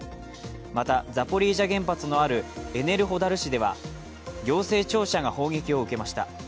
またザポリージャ原発のあるエネルホダル市では、行政庁舎が砲撃を受けました。